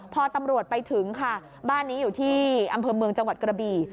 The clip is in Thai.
พอตำรวจไปถึงค่ะบ้านนี้อยู่ที่อำเภอเมืองจังหวัดกระบี่